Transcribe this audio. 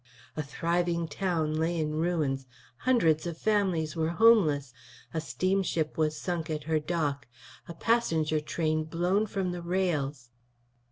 A thriving town lay in ruins; hundreds of families were homeless; a steamship was sunk at her dock; a passenger train blown from the rails.